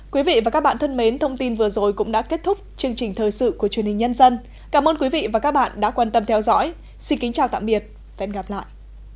quý vị và các bạn thân mến thông tin vừa rồi cũng đã kết thúc chương trình thời sự của truyền hình nhân dân cảm ơn quý vị và các bạn đã quan tâm theo dõi xin kính chào tạm biệt và hẹn gặp lại